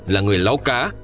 là người lau cá